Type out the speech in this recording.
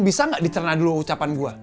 bisa nggak dicerna dulu ucapan gue